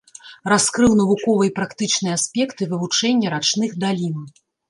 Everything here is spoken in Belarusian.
Раскрыў навуковыя і практычныя аспекты вывучэння рачных далін.